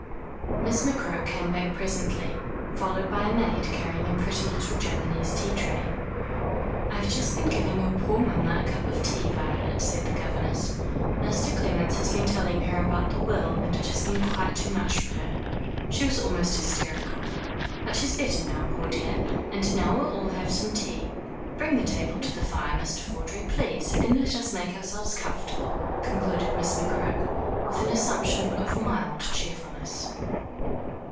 Miss McCroke came back presently, followed by a maid carrying a pretty little Japanese tea tray. "I have just been giving your poor mamma a cup of tea, Violet," said the governess. "Mr. Clements has been telling her about the will, and it has been quite too much for her. She was almost hysterical. But she's better now, poor dear. And now we'll all have some tea. Bring the table to the fire, Mr. Vawdrey, please, and let us make ourselves comfortable," concluded Miss McCroke, with an assumption of mild cheerfulness.